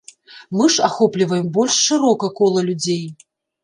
Мы ж ахопліваем больш шырока кола людзей.